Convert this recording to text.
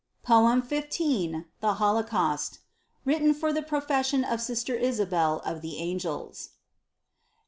Poem 15. THE HOLOCAUST. WKIITEN FOR THE PROFESSION OF SISTER ISABEL OF THE ANGELS.